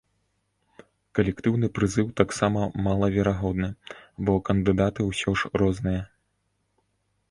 Калектыўны прызыў таксама малаверагодны, бо кандыдаты ўсё ж розныя.